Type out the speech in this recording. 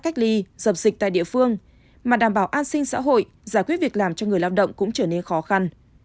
cách ly dập dịch tại địa phương mà đảm bảo an sinh xã hội giải quyết việc làm cho người lao động cũng trở nên khó khăn